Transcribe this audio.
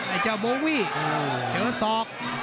ไอ้เจ้าโบวี่เจอศอก